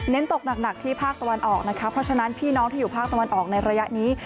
ตกหนักที่ภาคตะวันออกนะคะเพราะฉะนั้นพี่น้องที่อยู่ภาคตะวันออกในระยะนี้